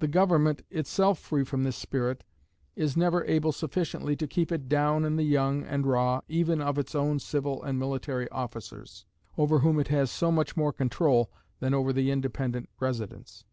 The government, itself free from this spirit, is never able sufficiently to keep it down in the young and raw even of its own civil and military officers, over whom it has so much more control than over the independent residents.